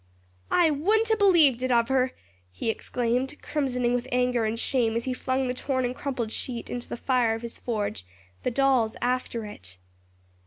"I wouldn't ha' believed it of her!" he exclaimed, crimsoning with anger and shame as he flung the torn and crumpled sheet into the fire of his forge, the dolls after it.